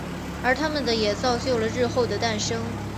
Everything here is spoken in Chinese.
而他们的也造就了日后的诞生。